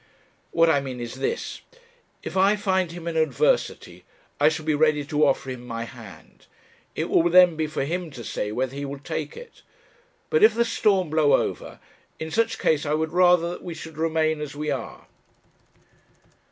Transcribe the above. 'What I mean is this if I find him in adversity, I shall be ready to offer him my hand; it will then be for him to say whether he will take it. But if the storm blow over, in such case I would rather that we should remain as we are.'